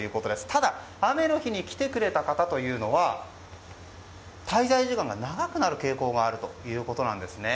ただ、雨の日に来てくれた方というのは滞在時間が長くなる傾向があるということなんですね。